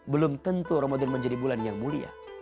belum tentu ramadan menjadi bulan yang mulia